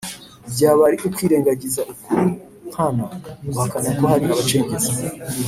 byaba ari ukwirengagiza ukuri nkana guhakana ko hari abacengezi